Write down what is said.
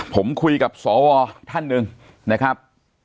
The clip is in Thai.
ผมคุยกับสวท่านหนึ่งนะครับ